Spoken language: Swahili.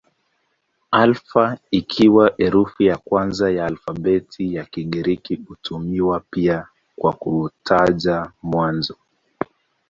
Alfa ikiwa herufi ya kwanza ya alfabeti ya Kigiriki hutumiwa pia kwa kutaja mwanzo.